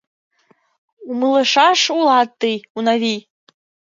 Умылышаш улат тый, Унавий.